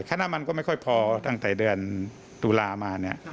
ขนามันก็ไม่ค่อยพอทั้งแต่เดือนตูลามา